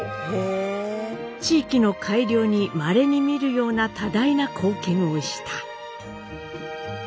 地域の改良にまれに見るような多大な貢献をした」。